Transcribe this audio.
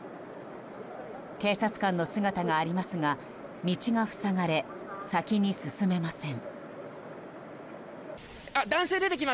警察官の姿がありますが道が塞がれ先に進めません。